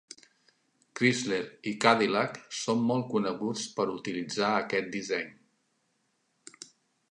Chrysler i Cadillac són molt coneguts per utilitzar aquest disseny.